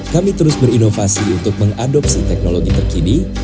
kami terus berinovasi untuk mengadopsi teknologi terkini